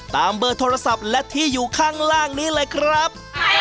เบอร์โทรศัพท์และที่อยู่ข้างล่างนี้เลยครับ